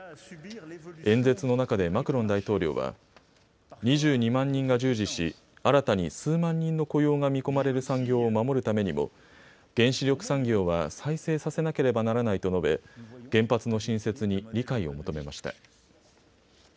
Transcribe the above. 演説の中でマクロン大統領は２２万人が従事し新たに数万人の雇用が見込まれる産業を守るためにも、原子力産業は再生させなければならないと述べ、原発の新設に理解を求めました。